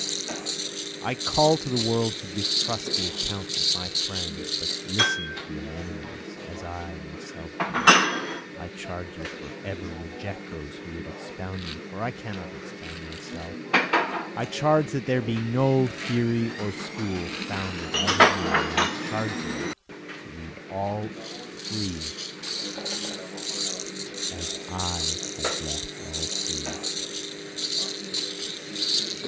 I call to the world to distrust the accounts of my friends, but listen to my enemies, as I myself do, I charge you forever reject those who would expound me, for I cannot expound myself, I charge that there be no theory or school founded out of me, I charge you to leave all free, as I have left all free.